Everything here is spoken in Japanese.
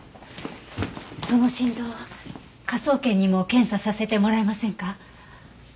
その心臓科捜研にも検査させてもらえませんか？